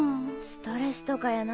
ストレスとかやない？